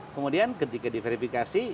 kemudian ketika diverifikasi